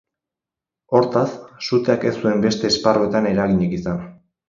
Hortaz, suteak ez zuen beste esparruetan eraginik izan.